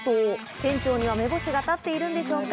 店長には目星が立っているんでしょうか？